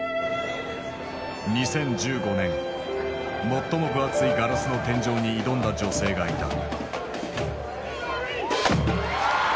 最も分厚いガラスの天井に挑んだ女性がいた。